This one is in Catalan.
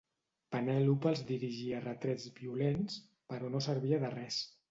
Penèlope els dirigia retrets violents, però no servia de res.